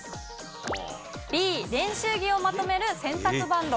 Ｂ、練習着をまとめる洗濯バンド。